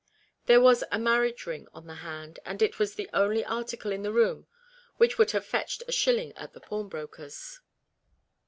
There was a marriage ring on the hand, and it was the only article in the room which would have fetched a shil ling at the pawnbroker's.